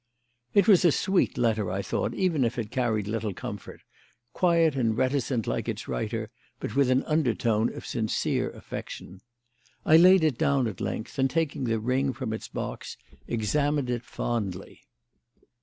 It was a sweet letter, I thought, even if it carried little comfort; quiet and reticent like its writer, but with an undertone of sincere affection. I laid it down at length, and, taking the ring from its box, examined it fondly.